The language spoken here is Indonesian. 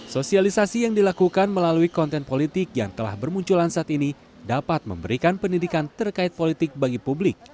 sosialisasi yang dilakukan melalui konten politik yang telah bermunculan saat ini dapat memberikan pendidikan terkait politik bagi publik